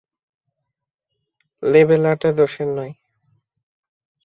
Label আঁটা দোষের নয়।